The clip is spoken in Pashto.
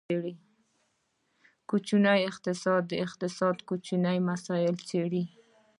کوچنی اقتصاد، د اقتصاد کوچني مسایل څیړي.